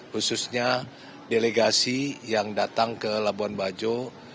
khususnya delegasi yang datang ke labuan bajo